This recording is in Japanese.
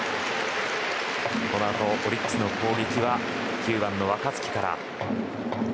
このあとオリックスの攻撃は９番、若月から。